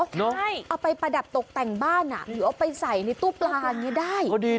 ใช่เอาไปประดับตกแต่งบ้านหรือเอาไปใส่ในตู้ปลาอย่างนี้ได้